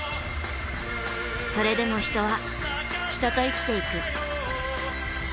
それでも人は人と生きていく。